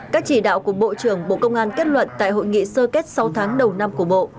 các chỉ đạo của bộ trưởng bộ công an kết luận tại hội nghị sơ kết sáu tháng đầu năm của bộ